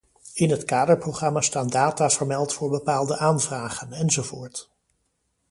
In het kaderprogramma staan data vermeld voor bepaalde aanvragen, enzovoort.